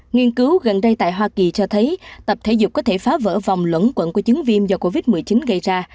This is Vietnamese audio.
nghiên cứu gần đây tại hoa kỳ cho thấy tập thể dục có thể phá vỡ vòng lẫn quẩn của chứng viêm do covid một mươi chín gây ra